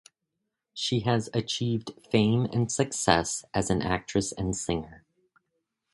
She has achieved fame and success as an actress and singer.